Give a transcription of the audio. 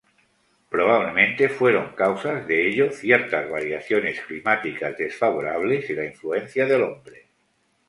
Probablemente fueron causas de ello ciertas variaciones climáticas desfavorables y la influencia del hombre.